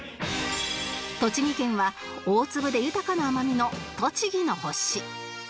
栃木県は大粒で豊かな甘みのとちぎの星